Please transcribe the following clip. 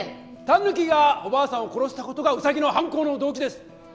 タヌキがおばあさんを殺した事がウサギの犯行の動機です。